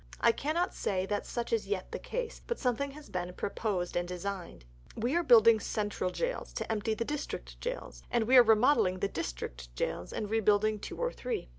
I cannot say that such is yet the case, but something has been proposed and designed. We are building central jails to empty the district jails, and we are remodelling the district jails and rebuilding two or three.